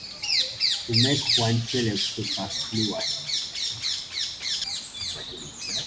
To make oneself superfluous!